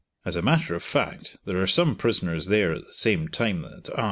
As a matter of fact there was some prisoners there at the same time that I.